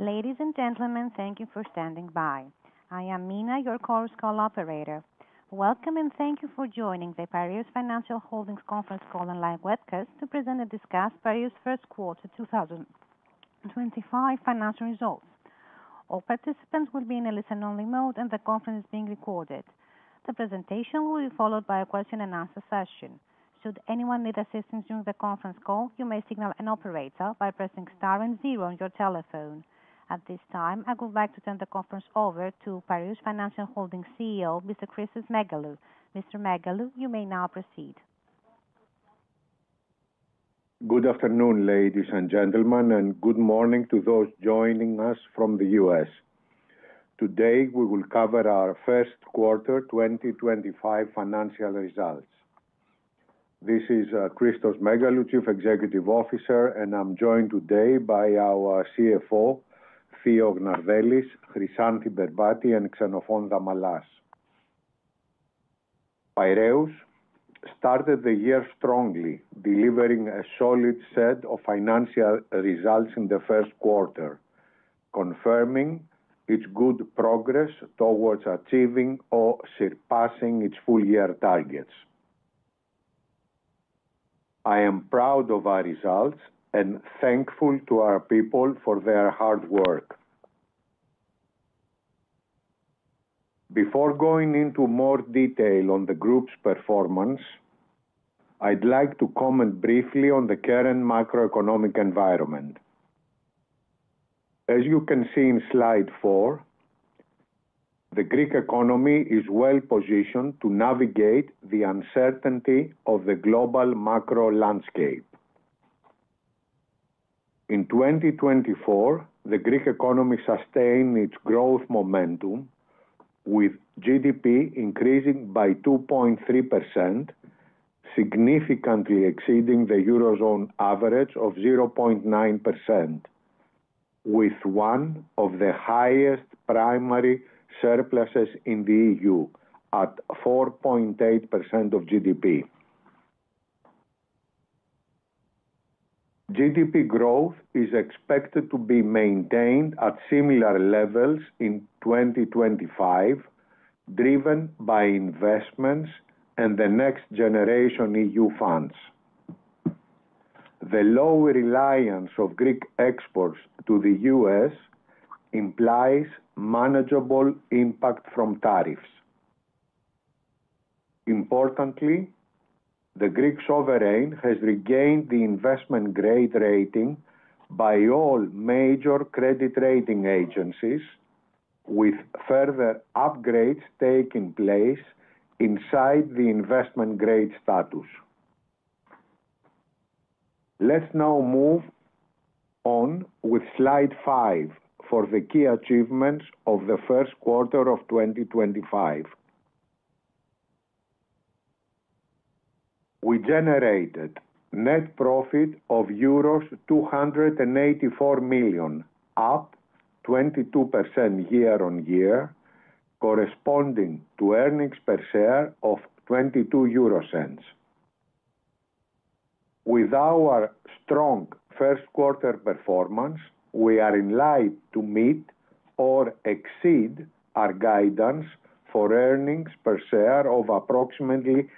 Ladies and gentlemen, thank you for standing by. I am Mina, your call's call operator. Welcome and thank you for joining the Piraeus Financial Holdings conference call online webcast to present and discuss Piraeus' first quarter 2025 financial results. All participants will be in a listen-only mode, and the conference is being recorded. The presentation will be followed by a question-and-answer session. Should anyone need assistance during the conference call, you may signal an operator by pressing star and zero on your telephone. At this time, I go back to turn the conference over to Piraeus Financial Holdings CEO, Mr. Christos Megalou. Mr. Megalou, you may now proceed. Good afternoon, ladies and gentlemen, and good morning to those joining us from the US. Today, we will cover our first quarter 2025 financial results. This is Christos Megalou, Chief Executive Officer, and I'm joined today by our CFO, Theodore Gnarvellis, Chryssanthi Berbati, and Xenophon D'Amallas. Piraeus started the year strongly, delivering a solid set of financial results in the first quarter, confirming its good progress towards achieving or surpassing its full-year targets. I am proud of our results and thankful to our people for their hard work. Before going into more detail on the group's performance, I'd like to comment briefly on the current macroeconomic environment. As you can see in slide four, the Greek economy is well positioned to navigate the uncertainty of the global macro landscape. In 2024, the Greek economy sustained its growth momentum, with GDP increasing by 2.3%, significantly exceeding the Eurozone average of 0.9%, with one of the highest primary surpluses in the EU at 4.8% of GDP. GDP growth is expected to be maintained at similar levels in 2025, driven by investments and the next generation EU funds. The low reliance of Greek exports to the US implies manageable impact from tariffs. Importantly, the Greek sovereign has regained the investment-grade rating by all major credit rating agencies, with further upgrades taking place inside the investment-grade status. Let's now move on with slide five for the key achievements of the first quarter of 2025. We generated net profit of euros 284 million, up 22% year-on-year, corresponding to earnings per share of 0.22. With our strong first-quarter performance, we are in line to meet or exceed our guidance for earnings per share of approximately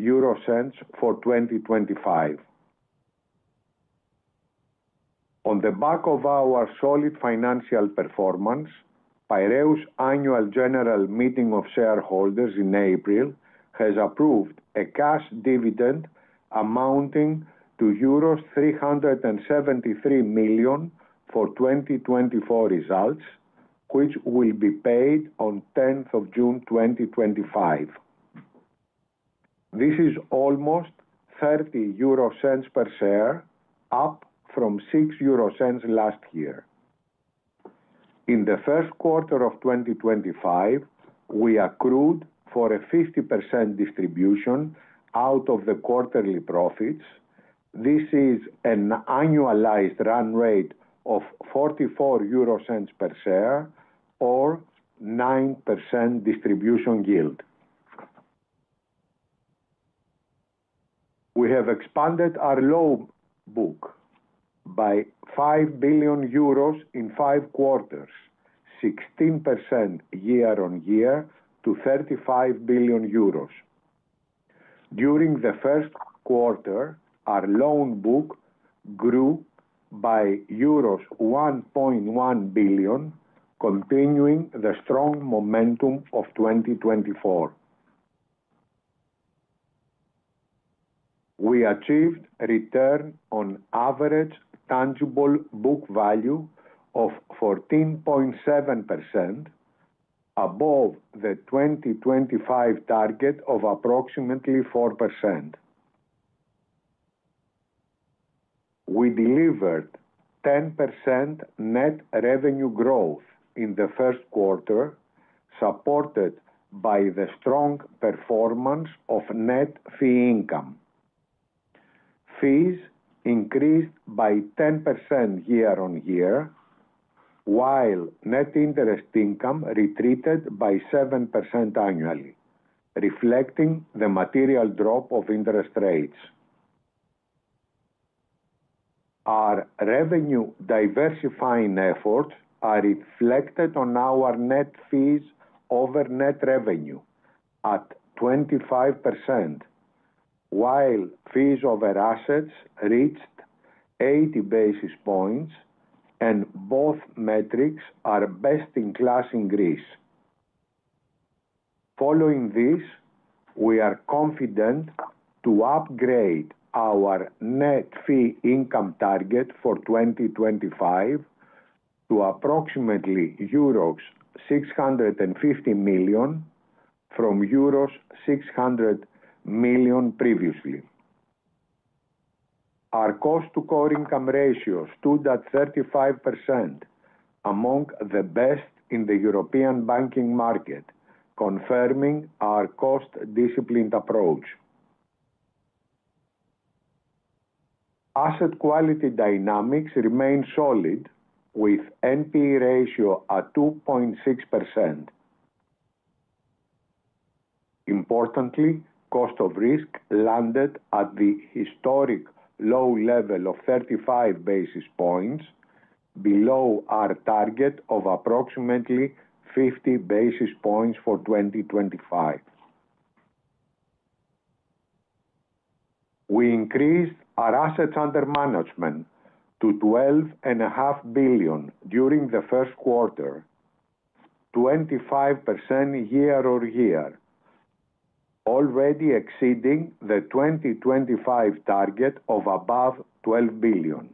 EUR 0.80 for 2025. On the back of our solid financial performance, Piraeus' annual general meeting of shareholders in April has approved a cash dividend amounting to euros 373 million for 2024 results, which will be paid on June 10, 2025. This is almost 0.30 per share, up from 0.60 last year. In the first quarter of 2025, we accrued for a 50% distribution out of the quarterly profits. This is an annualized run rate of 0.44 per share, or 9% distribution yield. We have expanded our loan book by 5 billion euros in five quarters, 16% year-on-year, to 35 billion euros. During the first quarter, our loan book grew by euros 1.1 billion, continuing the strong momentum of 2024. We achieved return on average tangible book value of 14.7%, above the 2025 target of approximately 4%. We delivered 10% net revenue growth in the first quarter, supported by the strong performance of net fee income. Fees increased by 10% year-on-year, while net interest income retreated by 7% annually, reflecting the material drop of interest rates. Our revenue diversifying efforts are reflected on our net fees over net revenue at 25%, while fees over assets reached 80 basis points, and both metrics are best-in-class in Greece. Following this, we are confident to upgrade our net fee income target for 2025 to approximately euros 650 million from euros 600 million previously. Our cost-to-core income ratio stood at 35%, among the best in the European banking market, confirming our cost-disciplined approach. Asset quality dynamics remain solid, with NPE ratio at 2.6%. Importantly, cost of risk landed at the historic low level of 35 basis points, below our target of approximately 50 basis points for 2025. We increased our assets under management to 12.5 billion during the first quarter, 25% year-on-year, already exceeding the 2025 target of above 12 billion.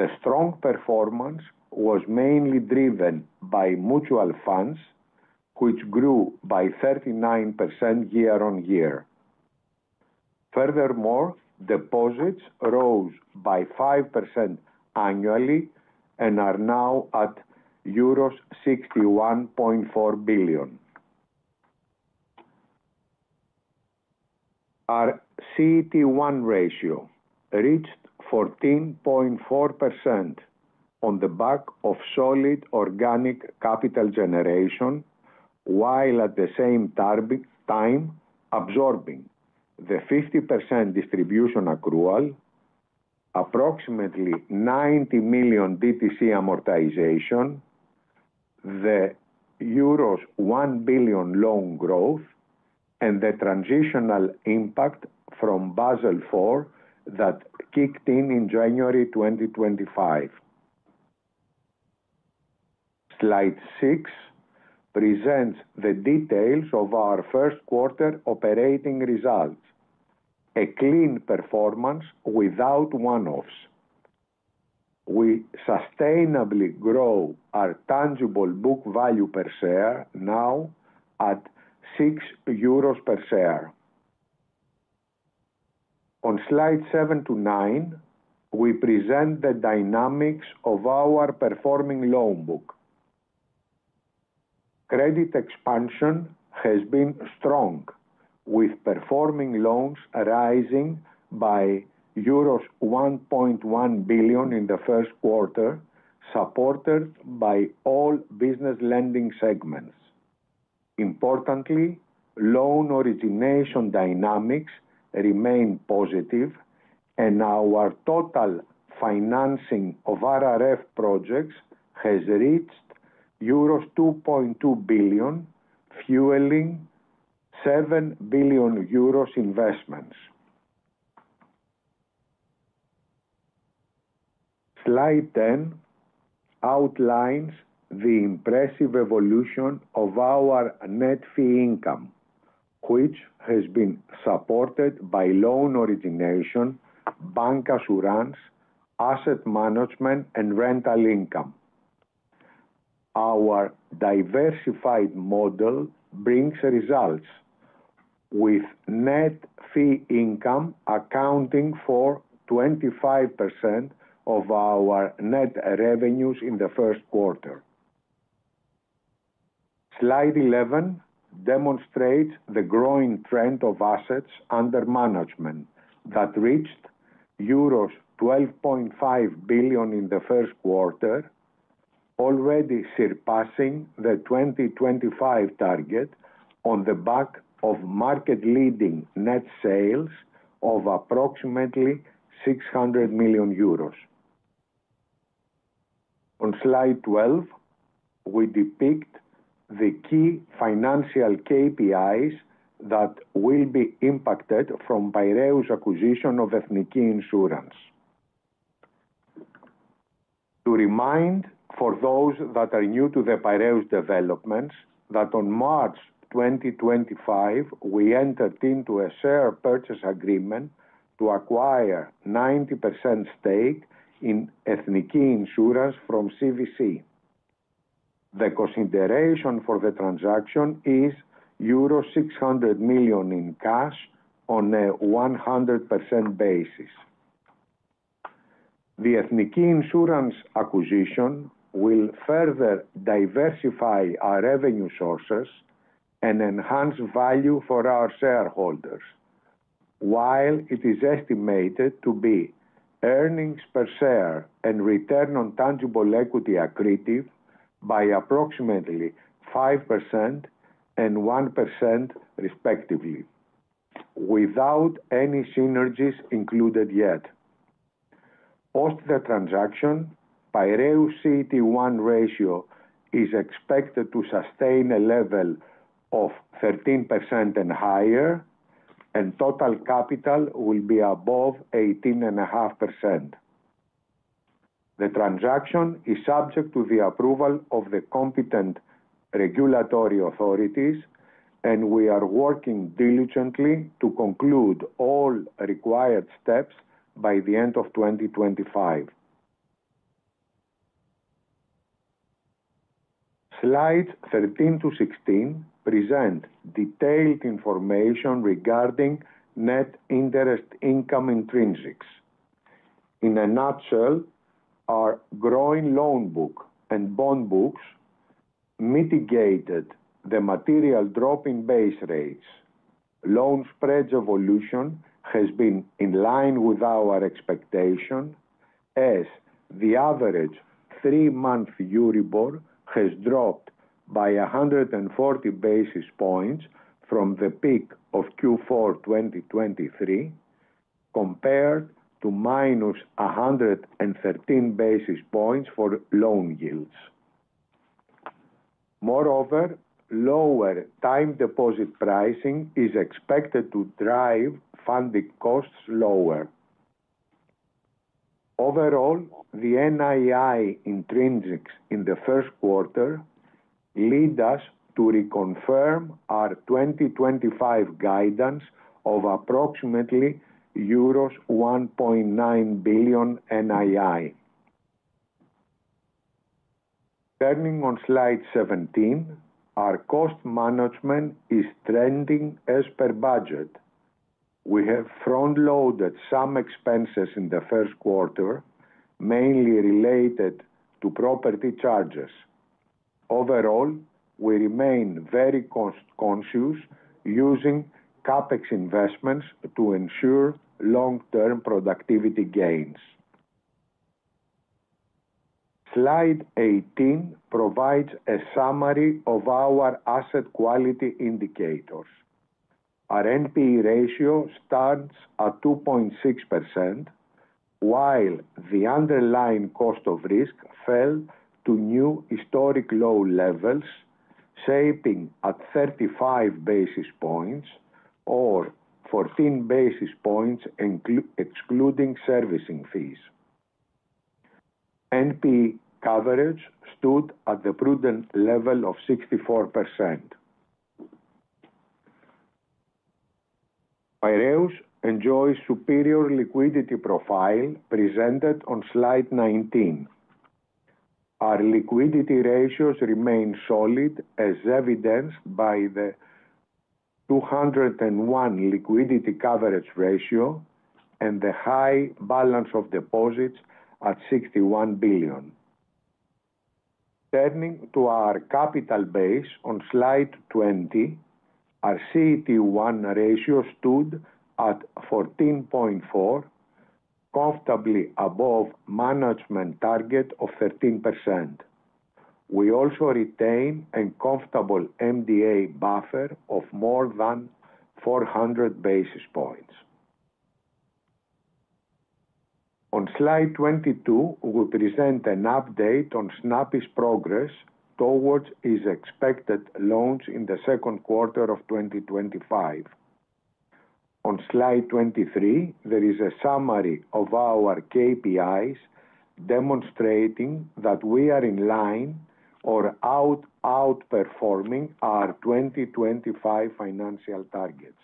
The strong performance was mainly driven by mutual funds, which grew by 39% year-on-year. Furthermore, deposits rose by 5% annually and are now at euros 61.4 billion. Our CET1 ratio reached 14.4% on the back of solid organic capital generation, while at the same time absorbing the 50% distribution accrual, approximately 90 million DTC amortization, the euros 1 billion loan growth, and the transitional impact from Basel IV that kicked in in January 2025. Slide six presents the details of our first quarter operating results: a clean performance without one-offs. We sustainably grow our tangible book value per share now at 6 euros per share. On slides seven to nine, we present the dynamics of our performing loan book. Credit expansion has been strong, with performing loans rising by euros 1.1 billion in the first quarter, supported by all business lending segments. Importantly, loan origination dynamics remain positive, and our total financing of RRF projects has reached euros 2.2 billion, fueling 7 billion euros investments. Slide ten outlines the impressive evolution of our net fee income, which has been supported by loan origination, bancassurance, asset management, and rental income. Our diversified model brings results, with net fee income accounting for 25% of our net revenues in the first quarter. Slide eleven demonstrates the growing trend of assets under management that reached euros 12.5 billion in the first quarter, already surpassing the 2025 target on the back of market-leading net sales of approximately 600 million euros. On slide twelve, we depict the key financial KPIs that will be impacted from Piraeus' acquisition of Ethniki Insurance. To remind those that are new to the Piraeus developments that on March 2025, we entered into a share purchase agreement to acquire a 90% stake in Ethniki Insurance from CVC. The consideration for the transaction is euro 600 million in cash on a 100% basis. The Ethniki Insurance acquisition will further diversify our revenue sources and enhance value for our shareholders, while it is estimated to be earnings per share and return on tangible equity accretive by approximately 5% and 1%, respectively, without any synergies included yet. Post the transaction, Piraeus' CET1 ratio is expected to sustain a level of 13% and higher, and total capital will be above 18.5%. The transaction is subject to the approval of the competent regulatory authorities, and we are working diligently to conclude all required steps by the end of 2025. Slides 13 to 16 present detailed information regarding net interest income intrinsics. In a nutshell, our growing loan book and bond books mitigated the material drop in base rates. Loan spreads evolution has been in line with our expectation, as the average three-month Euribor has dropped by 140 basis points from the peak of Q4 2023, compared to minus 113 basis points for loan yields. Moreover, lower time deposit pricing is expected to drive funding costs lower. Overall, the NII intrinsics in the first quarter lead us to reconfirm our 2025 guidance of approximately EUR 1.9 billion NII. Turning on slide 17, our cost management is trending as per budget. We have front-loaded some expenses in the first quarter, mainly related to property charges. Overall, we remain very conscious of using CapEx investments to ensure long-term productivity gains. Slide 18 provides a summary of our asset quality indicators. Our NPE ratio stands at 2.6%, while the underlying cost of risk fell to new historic low levels, shaping at 35 basis points or 14 basis points excluding servicing fees. NPE coverage stood at the prudent level of 64%. Piraeus enjoys a superior liquidity profile presented on slide 19. Our liquidity ratios remain solid, as evidenced by the 201 liquidity coverage ratio and the high balance of deposits at 61 billion. Turning to our capital base on slide 20, our CET1 ratio stood at 14.4%, comfortably above management target of 13%. We also retain a comfortable MDA buffer of more than 400 basis points. On slide 22, we present an update on Snapy's progress towards its expected launch in the second quarter of 2025. On slide 23, there is a summary of our KPIs demonstrating that we are in line or outperforming our 2025 financial targets.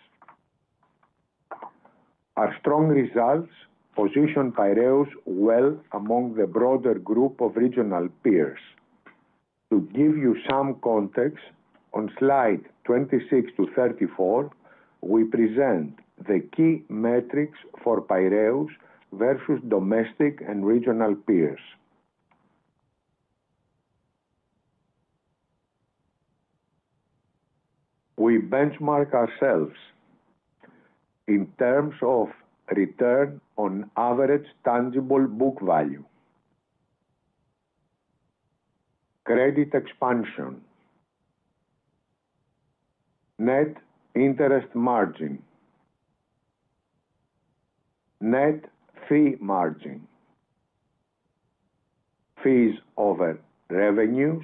Our strong results position Piraeus well among the broader group of regional peers. To give you some context, on slides 26 to 34, we present the key metrics for Piraeus versus domestic and regional peers. We benchmark ourselves in terms of return on average tangible book value, credit expansion, net interest margin, net fee margin, fees over revenues,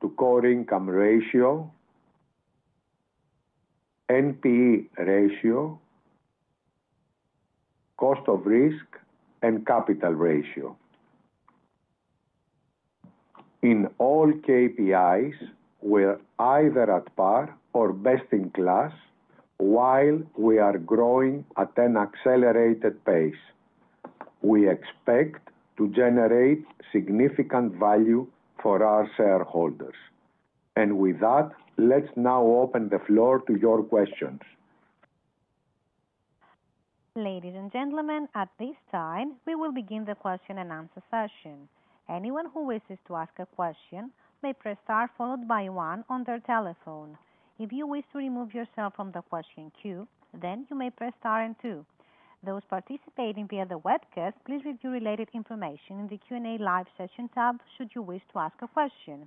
cost-to-core income ratio, NPE ratio, cost of risk, and capital ratio. In all KPIs, we are either at par or best in class, while we are growing at an accelerated pace. We expect to generate significant value for our shareholders. Let us now open the floor to your questions. Ladies and gentlemen, at this time, we will begin the question and answer session. Anyone who wishes to ask a question may press star followed by one on their telephone. If you wish to remove yourself from the question queue, then you may press star and two. Those participating via the webcast, please review related information in the Q&A live session tab should you wish to ask a question.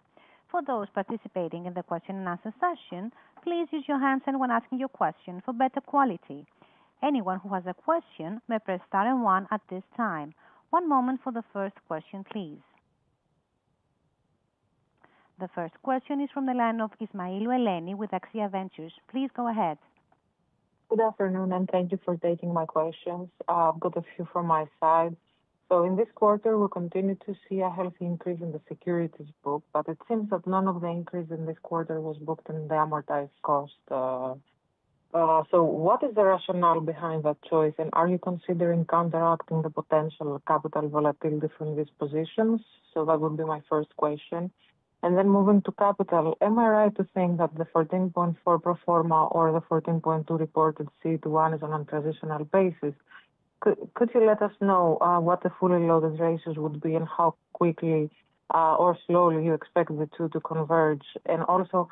For those participating in the question and answer session, please use your hands when asking your question for better quality. Anyone who has a question may press star and one at this time. One moment for the first question, please. The first question is from the line of Ismailou Eleni with AXIA Ventures. Please go ahead. Good afternoon, and thank you for taking my questions. I've got a few from my side. In this quarter, we continue to see a healthy increase in the securities book, but it seems that none of the increase in this quarter was booked in the amortized cost. What is the rationale behind that choice, and are you considering counteracting the potential capital volatility from these positions? That would be my first question. Moving to capital, am I right to think that the 14.4 proforma or the 14.2 reported CET1 is on a transitional basis? Could you let us know what the fully loaded ratios would be and how quickly or slowly you expect the two to converge? Also,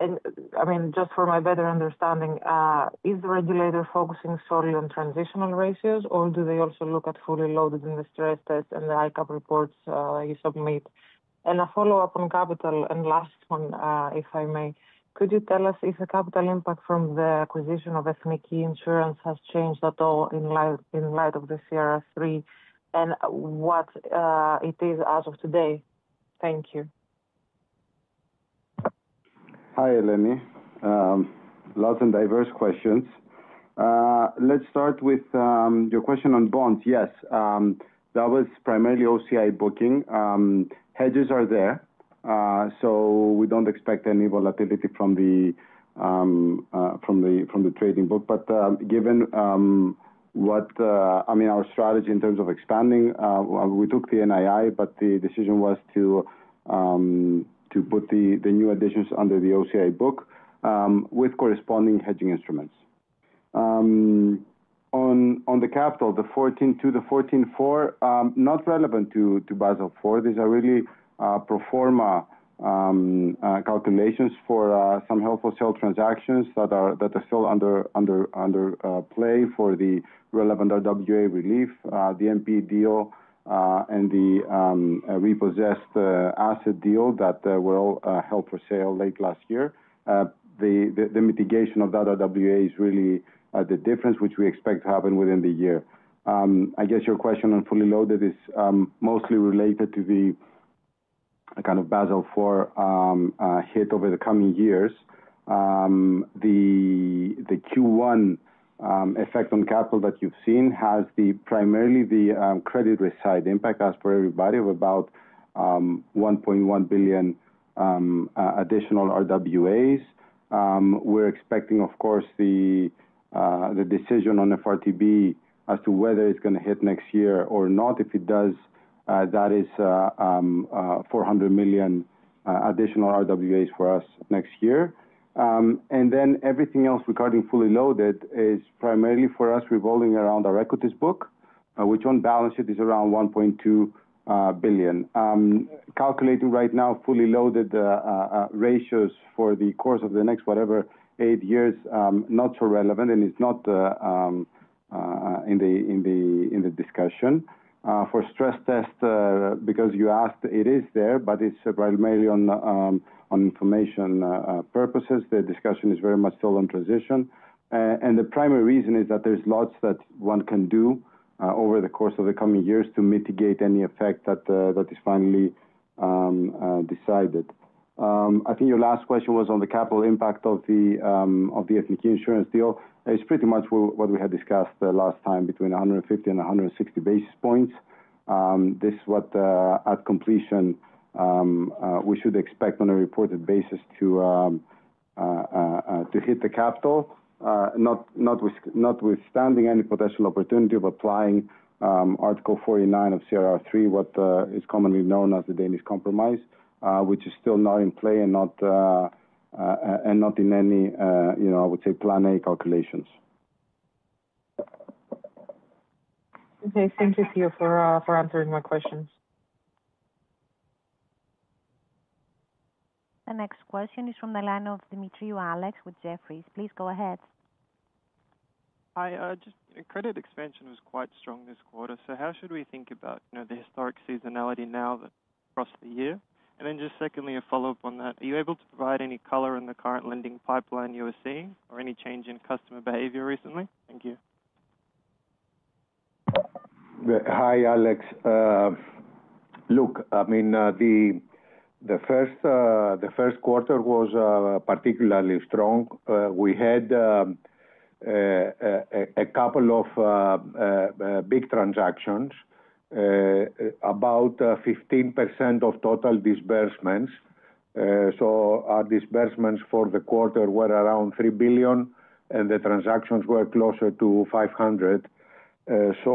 I mean, just for my better understanding, is the regulator focusing solely on transitional ratios, or do they also look at fully loaded in the stress test and the ICAP reports you submit? A follow-up on capital, and last one, if I may, could you tell us if the capital impact from the acquisition of Ethniki Insurance has changed at all in light of the CRS3 and what it is as of today? Thank you. Hi, Eleni. Lots and diverse questions. Let's start with your question on bonds. Yes, that was primarily OCI booking. Hedges are there, so we do not expect any volatility from the trading book. Given what, I mean, our strategy in terms of expanding, we took the NII, but the decision was to put the new additions under the OCI book with corresponding hedging instruments. On the capital, the 14.2, the 14.4, not relevant to Basel IV. These are really proforma calculations for some helpful sale transactions that are still under play for the relevant RWA relief, the NP deal, and the repossessed asset deal that were all held for sale late last year. The mitigation of that RWA is really the difference, which we expect to happen within the year. I guess your question on fully loaded is mostly related to the kind of Basel IV hit over the coming years. The Q1 effect on capital that you've seen has primarily the credit risk side impact as per everybody of about 1.1 billion additional RWAs. We're expecting, of course, the decision on FRTB as to whether it's going to hit next year or not. If it does, that is 400 million additional RWAs for us next year. Everything else regarding fully loaded is primarily for us revolving around our equities book, which on balance sheet is around 1.2 billion. Calculating right now, fully loaded ratios for the course of the next, whatever, eight years, not so relevant, and it is not in the discussion. For stress test, because you asked, it is there, but it is primarily on information purposes. The discussion is very much still on transition. The primary reason is that there is lots that one can do over the course of the coming years to mitigate any effect that is finally decided. I think your last question was on the capital impact of the Ethniki Insurance deal. It is pretty much what we had discussed last time, between 150 and 160 basis points. This is what, at completion, we should expect on a reported basis to hit the capital, notwithstanding any potential opportunity of applying Article 49 of CRR3, what is commonly known as the Danish compromise, which is still not in play and not in any, I would say, plan A calculations. Okay. Thank you for answering my questions. The next question is from the line of Alexander Demetriou with Jefferies. Please go ahead. Hi. Just credit expansion was quite strong this quarter. How should we think about the historic seasonality now that across the year? And then just secondly, a follow-up on that. Are you able to provide any color on the current lending pipeline you were seeing or any change in customer behavior recently? Thank you. Hi, Alex. Look, I mean, the first quarter was particularly strong. We had a couple of big transactions, about 15% of total disbursements. Our disbursements for the quarter were around 3 billion, and the transactions were closer to 500. These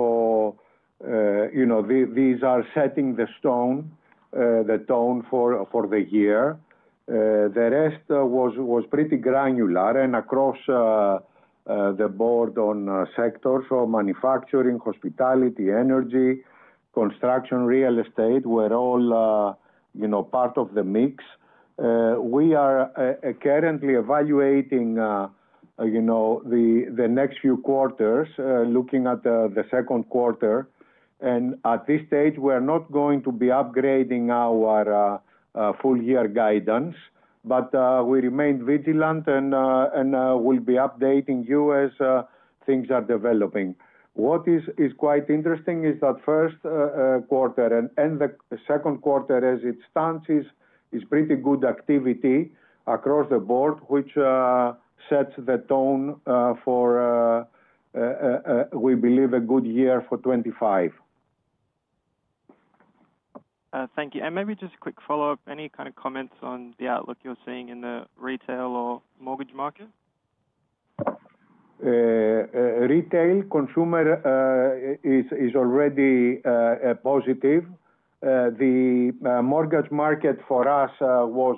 are setting the tone for the year. The rest was pretty granular and across the board on sectors of manufacturing, hospitality, energy, construction, real estate were all part of the mix. We are currently evaluating the next few quarters, looking at the second quarter. At this stage, we are not going to be upgrading our full-year guidance, but we remain vigilant and will be updating you as things are developing. What is quite interesting is that first quarter and the second quarter, as it stands, is pretty good activity across the board, which sets the tone for, we believe, a good year for 2025. Thank you. Maybe just a quick follow-up, any kind of comments on the outlook you're seeing in the retail or mortgage market? Retail consumer is already positive. The mortgage market for us was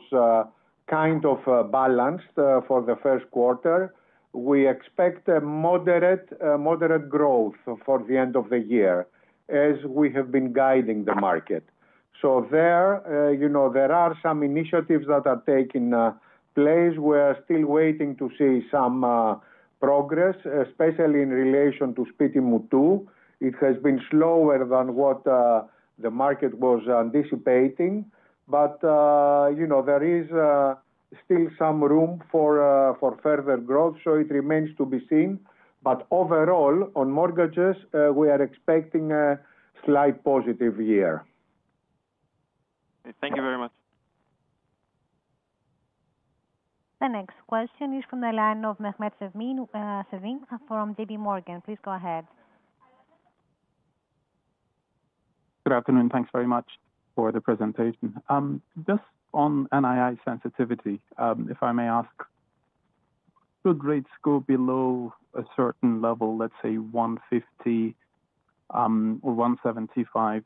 kind of balanced for the first quarter. We expect moderate growth for the end of the year as we have been guiding the market. There are some initiatives that are taking place. We are still waiting to see some progress, especially in relation to Spiti Mutu. It has been slower than what the market was anticipating, but there is still some room for further growth, so it remains to be seen. Overall, on mortgages, we are expecting a slight positive year. Thank you very much. The next question is from the line of Mehmet Sevim from JPMorgan Chase & Co. Please go ahead. Good afternoon. Thanks very much for the presentation. Just on NII sensitivity, if I may ask, should rates go below a certain level, let's say 150 or 175,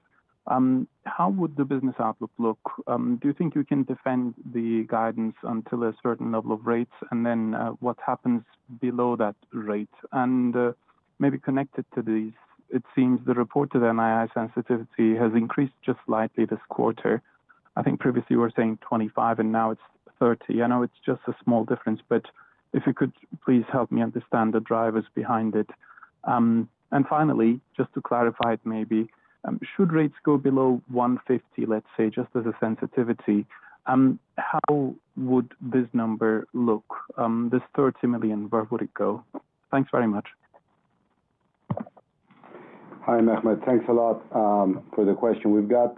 how would the business outlook look? Do you think you can defend the guidance until a certain level of rates, and then what happens below that rate? Maybe connected to these, it seems the reported NII sensitivity has increased just slightly this quarter. I think previously you were saying 25, and now it's 30. I know it's just a small difference, but if you could please help me understand the drivers behind it. Finally, just to clarify it maybe, should rates go below 150, let's say, just as a sensitivity, how would this number look? This 30 million, where would it go? Thanks very much. Hi, Mehmet. Thanks a lot for the question. We've got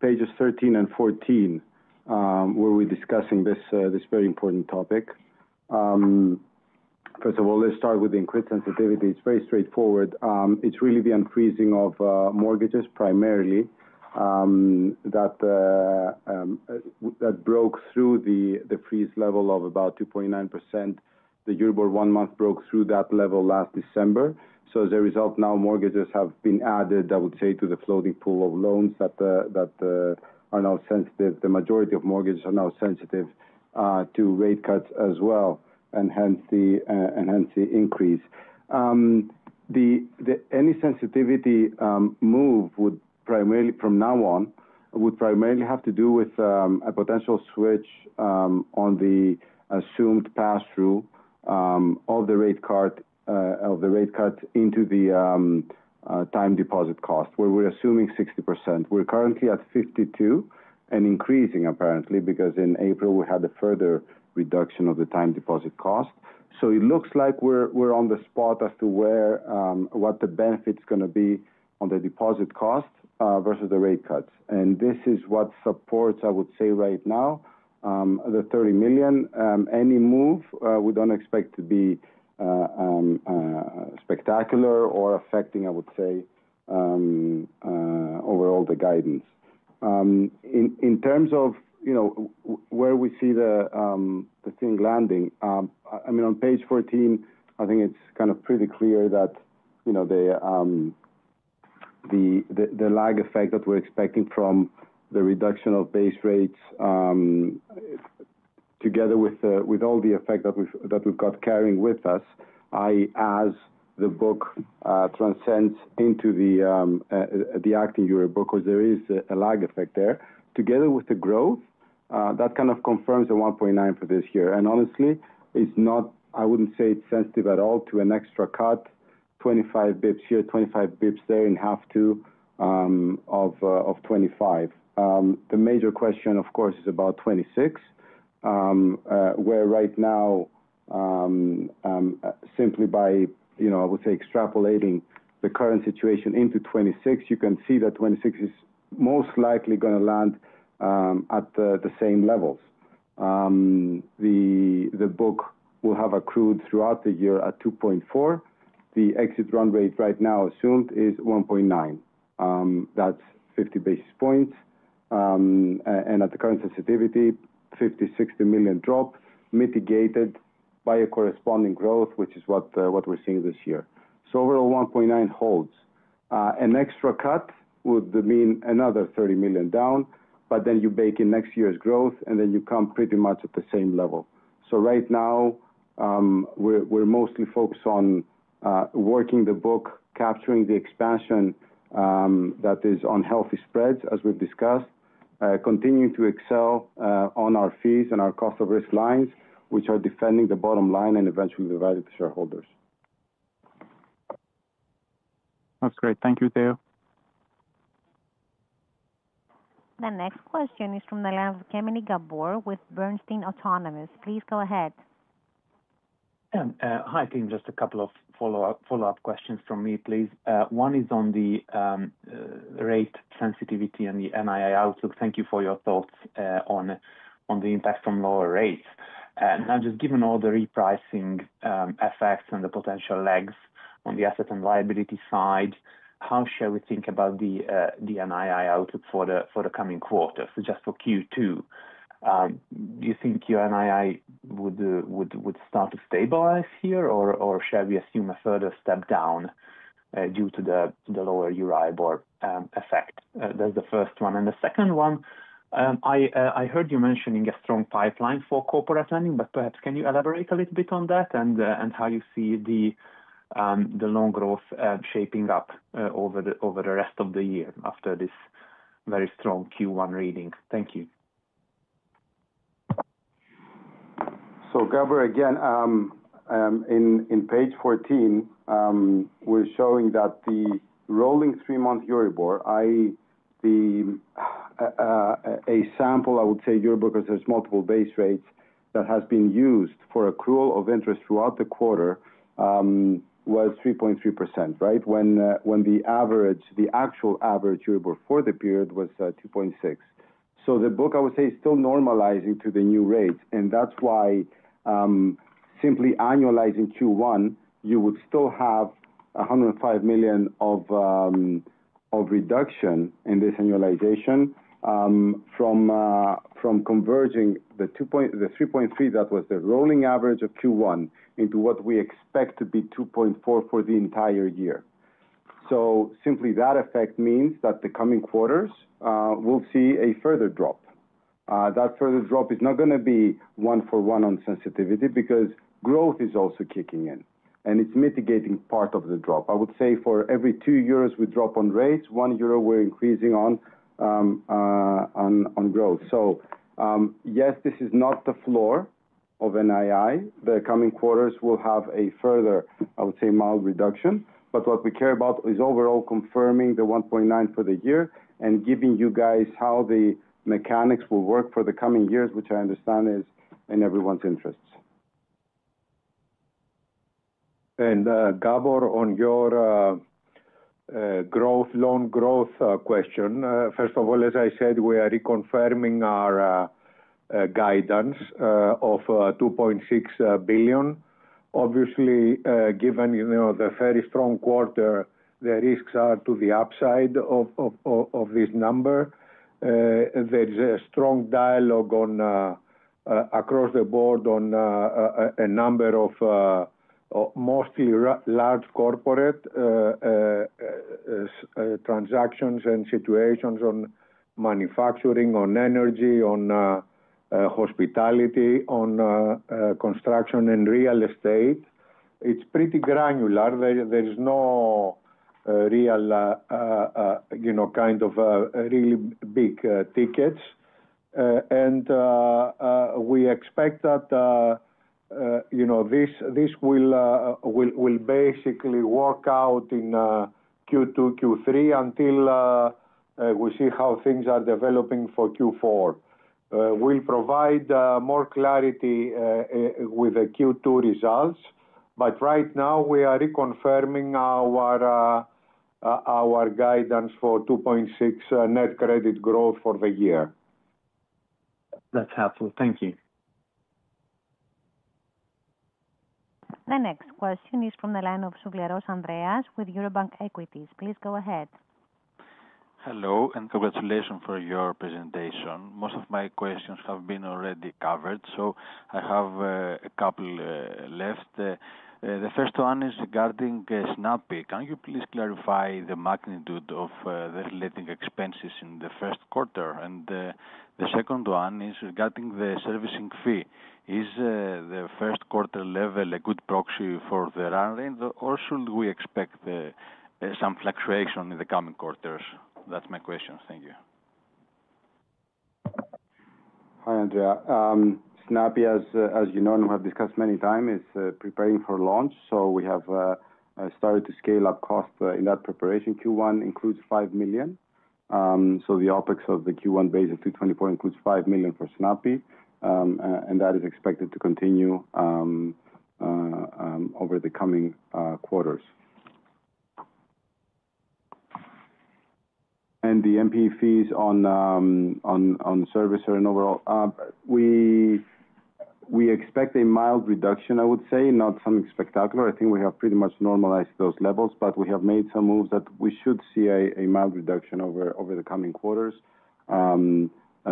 pages 13 and 14 where we're discussing this very important topic. First of all, let's start with the increased sensitivity. It's very straightforward. It's really the unfreezing of mortgages primarily that broke through the freeze level of about 2.9%. The year-over-year one-month broke through that level last December. As a result, now mortgages have been added, I would say, to the floating pool of loans that are now sensitive. The majority of mortgages are now sensitive to rate cuts as well, and hence the increase. Any sensitivity move from now on would primarily have to do with a potential switch on the assumed pass-through of the rate cut into the time deposit cost, where we are assuming 60%. We are currently at 52% and increasing, apparently, because in April, we had a further reduction of the time deposit cost. It looks like we are on the spot as to what the benefit is going to be on the deposit cost versus the rate cuts. This is what supports, I would say, right now the 30 million. Any move we don't expect to be spectacular or affecting, I would say, overall the guidance. In terms of where we see the thing landing, I mean, on page 14, I think it's kind of pretty clear that the lag effect that we're expecting from the reduction of base rates, together with all the effect that we've got carrying with us, as the book transcends into the acting yearbook, because there is a lag effect there, together with the growth, that kind of confirms the 1.9 billion for this year. And honestly, I wouldn't say it's sensitive at all to an extra cut, 25 basis points here, 25 basis points there in half to of 25. The major question, of course, is about 2026, where right now, simply by, I would say, extrapolating the current situation into 2026, you can see that 2026 is most likely going to land at the same levels. The book will have accrued throughout the year at 2.4. The exit run rate right now assumed is 1.9. That is 50 basis points. At the current sensitivity, 50-60 million drop mitigated by a corresponding growth, which is what we are seeing this year. Overall, 1.9 holds. An extra cut would mean another 30 million down, but then you bake in next year's growth, and you come pretty much at the same level. Right now, we are mostly focused on working the book, capturing the expansion that is on healthy spreads, as we have discussed, continuing to excel on our fees and our cost of risk lines, which are defending the bottom line and eventually the value to shareholders. That is great. Thank you, Theo. The next question is from the line of Gabor Zoltan Kemeny with Bernstein Autonomous. Please go ahead. Hi, team. Just a couple of follow-up questions from me, please. One is on the rate sensitivity and the NII outlook. Thank you for your thoughts on the impact from lower rates. Now, just given all the repricing effects and the potential legs on the asset and liability side, how shall we think about the NII outlook for the coming quarter? Just for Q2, do you think your NII would start to stabilize here, or shall we assume a further step down due to the lower Euribor effect? That is the first one. The second one, I heard you mentioning a strong pipeline for corporate lending, but perhaps can you elaborate a little bit on that and how you see the loan growth shaping up over the rest of the year after this very strong Q1 reading? Thank you. Gabor, again, in page 14, we're showing that the rolling three-month Euribor, a sample, I would say, Euribor, because there's multiple base rates that has been used for accrual of interest throughout the quarter, was 3.3%, right, when the actual average Euribor for the period was 2.6%. The book, I would say, is still normalizing to the new rates, and that's why simply annualizing Q1, you would still have 105 million of reduction in this annualization from converging the 3.3% that was the rolling average of Q1 into what we expect to be 2.4% for the entire year. Simply that effect means that the coming quarters, we'll see a further drop. That further drop is not going to be one-for-one on sensitivity because growth is also kicking in, and it's mitigating part of the drop. I would say for every two euros we drop on rates, one euro we're increasing on growth. This is not the floor of NII. The coming quarters will have a further, I would say, mild reduction, but what we care about is overall confirming the 1.9 billion for the year and giving you guys how the mechanics will work for the coming years, which I understand is in everyone's interests. Gabor, on your growth, loan growth question, first of all, as I said, we are reconfirming our guidance of 2.6 billion. Obviously, given the very strong quarter, the risks are to the upside of this number. There is a strong dialogue across the board on a number of mostly large corporate transactions and situations on manufacturing, on energy, on hospitality, on construction, and real estate. It is pretty granular. There is no real kind of really big tickets. We expect that this will basically work out in Q2, Q3 until we see how things are developing for Q4. We will provide more clarity with the Q2 results, but right now, we are reconfirming our guidance for 2.6% net credit growth for the year. That is helpful. Thank you. The next question is from the line of Xavieros Andreas with Eurobank Equities. Please go ahead. Hello, and congratulations for your presentation. Most of my questions have been already covered, so I have a couple left. The first one is regarding Snapy. Can you please clarify the magnitude of the relating expenses in the first quarter? And the second one is regarding the servicing fee. Is the first quarter level a good proxy for the run rate, or should we expect some fluctuation in the coming quarters? That is my question. Thank you. Hi, Andrea. Snapy, as you know, and we have discussed many times, is preparing for launch, so we have started to scale up cost in that preparation. Q1 includes 5 million. The OpEx of the Q1 base of 224 million includes 5 million for Snapy, and that is expected to continue over the coming quarters. The MPE fees on service are in overall. We expect a mild reduction, I would say, not something spectacular. I think we have pretty much normalized those levels, but we have made some moves that we should see a mild reduction over the coming quarters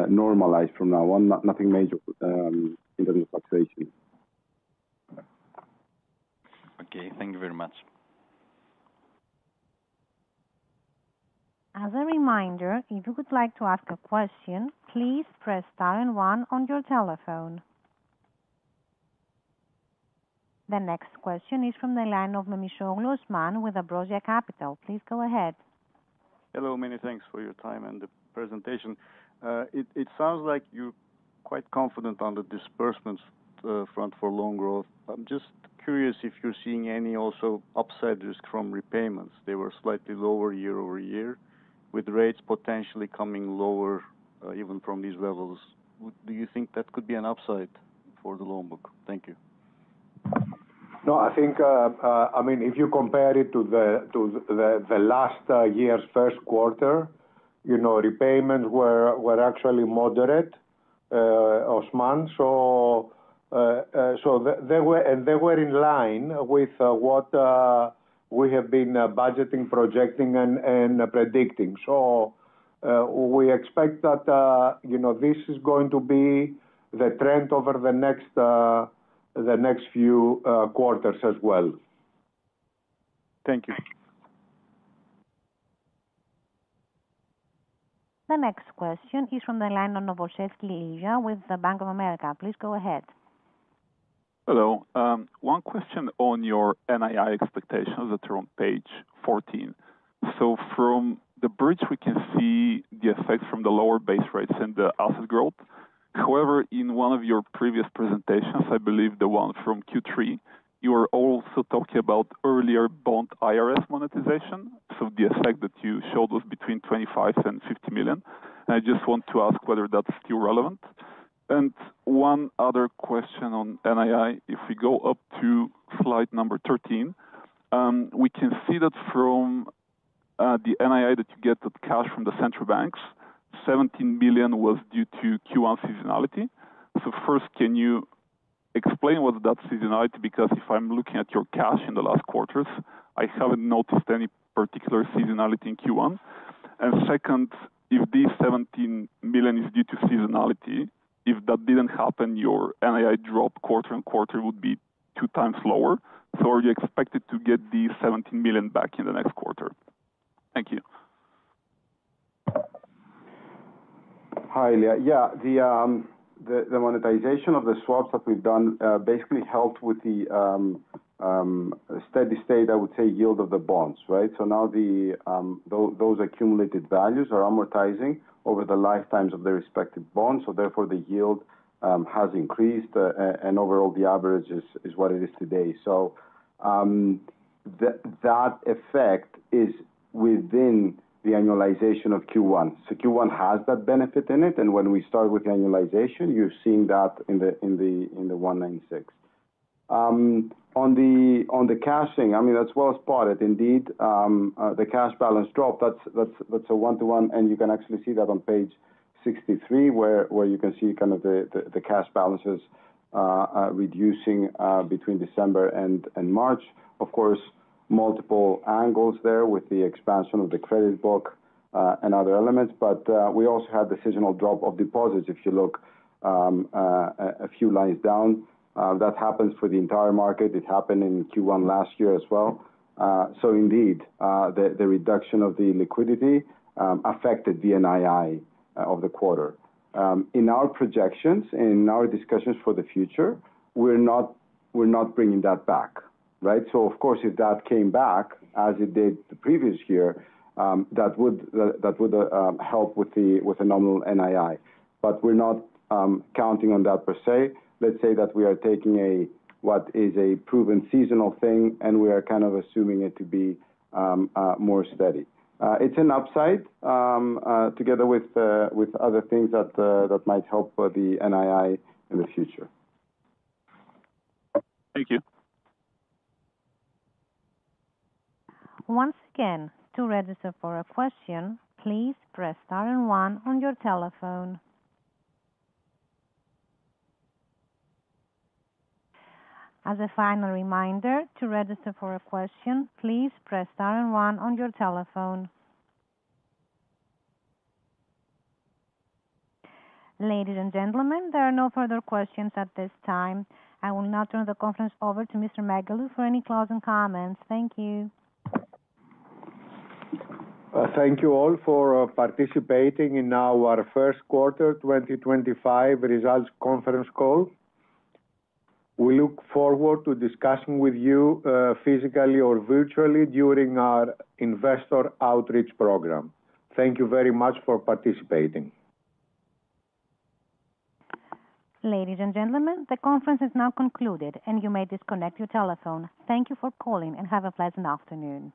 normalized from now on, nothing major in terms of fluctuation. Thank you very much. As a reminder, if you would like to ask a question, please press star and one on your telephone. The next question is from the line of Memisoglu Osman with Ambrosia Capital. Please go ahead. Hello, many thanks for your time and the presentation. It sounds like you're quite confident on the disbursements front for loan growth. I'm just curious if you're seeing any also upside risk from repayments. They were slightly lower year over year, with rates potentially coming lower even from these levels. Do you think that could be an upside for the loan book? Thank you. No, I think, I mean, if you compare it to the last year's first quarter, repayments were actually moderate, Osman. They were in line with what we have been budgeting, projecting, and predicting. We expect that this is going to be the trend over the next few quarters as well. Thank you. The next question is from the line of Novoselski Lilia with the Bank of America. Please go ahead. Hello. One question on your NII expectations that are on page 14. From the bridge, we can see the effect from the lower base rates and the asset growth. However, in one of your previous presentations, I believe the one from Q3, you were also talking about earlier bond IRS monetization. The effect that you showed was between 25 million and 50 million. I just want to ask whether that's still relevant. One other question on NII. If we go up to slide number 13, we can see that from the NII that you get the cash from the central banks, 17 million was due to Q1 seasonality. First, can you explain what that seasonality is? Because if I'm looking at your cash in the last quarters, I have not noticed any particular seasonality in Q1. Second, if these 17 million is due to seasonality, if that did not happen, your NII drop quarter on quarter would be two times lower. Are you expected to get these 17 million back in the next quarter? Thank you. Hi, Lea. Yeah, the monetization of the swaps that we have done basically helped with the steady state, I would say, yield of the bonds, right? Now those accumulated values are amortizing over the lifetimes of the respective bonds. Therefore, the yield has increased, and overall, the average is what it is today. That effect is within the annualization of Q1. Q1 has that benefit in it. When we start with the annualization, you are seeing that in the 196. On the cashing, I mean, that is well spotted. Indeed, the cash balance dropped. That's a one-to-one, and you can actually see that on page 63, where you can see kind of the cash balances reducing between December and March. Of course, multiple angles there with the expansion of the credit book and other elements, but we also had the seasonal drop of deposits. If you look a few lines down, that happens for the entire market. It happened in Q1 last year as well. Indeed, the reduction of the liquidity affected the NII of the quarter. In our projections, in our discussions for the future, we're not bringing that back, right? Of course, if that came back, as it did the previous year, that would help with a nominal NII, but we're not counting on that per se. Let's say that we are taking what is a proven seasonal thing, and we are kind of assuming it to be more steady. It's an upside together with other things that might help the NII in the future. Thank you. Once again, to register for a question, please press star and one on your telephone. As a final reminder, to register for a question, please press star and one on your telephone. Ladies and gentlemen, there are no further questions at this time. I will now turn the conference over to Mr. Megalou for any closing comments. Thank you. Thank you all for participating in our first quarter 2025 results conference call. We look forward to discussing with you physically or virtually during our investor outreach program. Thank you very much for participating. Ladies and gentlemen, the conference is now concluded, and you may disconnect your telephone. Thank you for calling and have a pleasant afternoon.